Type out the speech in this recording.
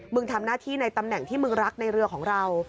ทำหน้าที่ในตำแหน่งที่มึงรักในเรือของเรา